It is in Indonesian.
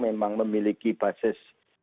memang memiliki basis